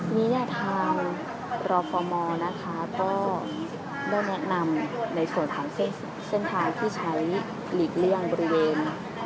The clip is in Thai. นี้เนี่ยทางรฟมนะคะก็ได้แนะนำในส่วนของเส้นทางที่ใช้หลีกเลี่ยงบริเวณ